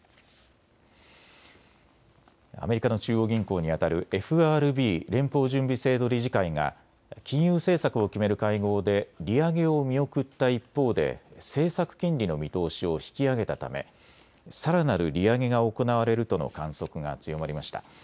アメリカの中央銀行にあたるＦＲＢ・連邦準備制度理事会が金融政策を決める会合で利上げを見送った一方で政策金利の見通しを引き上げたためさらなる利上げが行われるとの観測が強まりました。